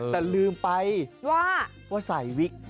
แต่ลืมไปว่าว่าสายวิก